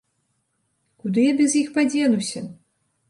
Куды я без іх падзенуся?!